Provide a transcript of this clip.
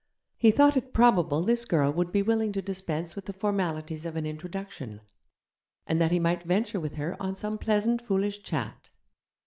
He thought it probable this girl would be willing to dispense with the formalities of an introduction, and that he might venture with her on some pleasant foolish chat.